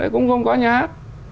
cũng không có nhà hát